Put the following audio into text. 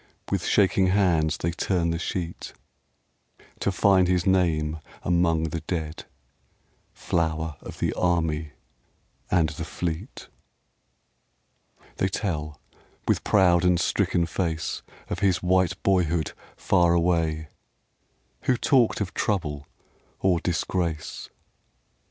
With shaking hands they turn the sheet To find his name among the dead, Flower of the Army and the Fleet. They tell, with proud and stricken face, Of his white boyhood far away Who talked of trouble or disgrace